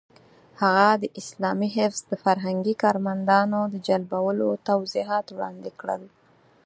هغه د اسلامي حزب د فرهنګي کارمندانو د جلبولو توضیحات وړاندې کړل.